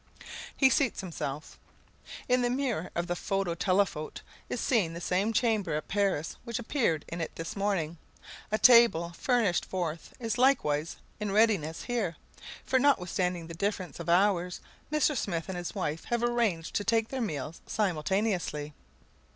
He seats himself. In the mirror of the phonotelephote is seen the same chamber at Paris which appeared in it this morning. A table furnished forth is likewise in readiness here, for notwithstanding the difference of hours, Mr. Smith and his wife have arranged to take their meals simultaneously.